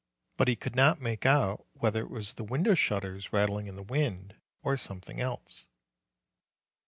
But he could not make out whether it was the window shutters rattling in the wind, or something else.